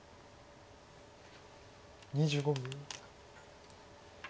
２５秒。